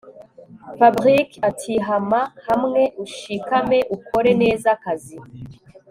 Fabric atihama hamwe ushikame ukore neza akazi